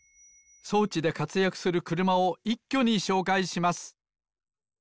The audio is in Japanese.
そうちでかつやくするくるまをいっきょにしょうかいします。